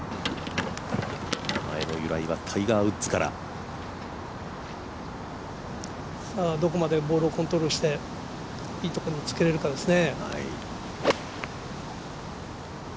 名前の由来はタイガー・ウッズからどこまでボールをコントロールしていいところにつけれるかですね。